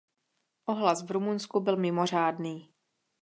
Ohlas v Rumunsku byl mimořádný.